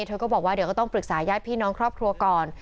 เธอก็บอกว่าเดี๋ยวก็ต้องปรึกษาญาติพี่น้องครอบครัวก่อน